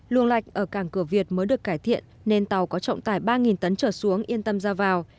luồng lạch ở cảng cửa việt mới được cải thiện nên tàu có trọng tải ba tấn trở xuống yên tâm ra vào